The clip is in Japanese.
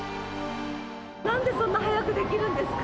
なんでそんな早くできるんですか？